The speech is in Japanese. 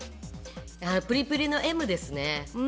プリプリの「Ｍ」ですね。